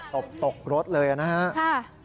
ตบตกรถเลยนะฮะ